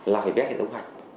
là phải vét hệ thống hạch